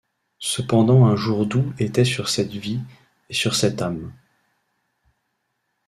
Cependant un jour doux était sur cette vie et sur cette âme.